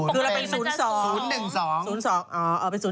คือเราเป็น๐๒คือเราเป็นศูนย์๑๒